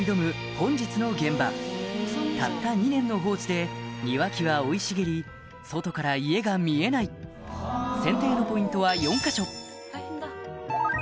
本日の現場たった２年の放置で庭木は生い茂り外から家が見えない剪定のポイントは４か所